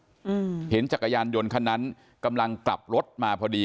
อืมเห็นจักรยานยนต์คันนั้นกำลังกลับรถมาพอดี